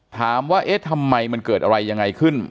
ถามว่าเอ๊ะทำไมมันเกิดอะไรยังไงขึ้น